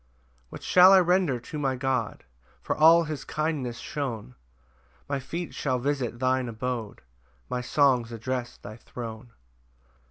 1 What shall I render to my God For all his kindness shown? My feet shall visit thine abode, My songs address thy throne.